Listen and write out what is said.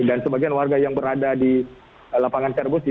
dan sebagian warga yang berada di lapangan karabosi